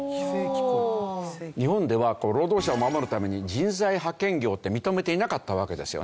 日本では労働者を守るために人材派遣業って認めていなかったわけですよね。